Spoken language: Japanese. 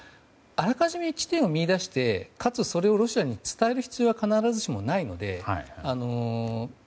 あらかじめ一手を見いだしてかつ、それをロシアに伝える必要もないので。